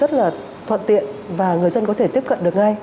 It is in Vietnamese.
rất là thuận tiện và người dân có thể tiếp cận được ngay